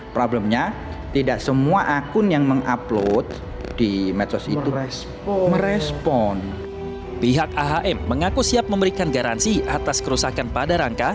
pihak ahm mengaku siap memberikan garansi atas kerusakan pada rangka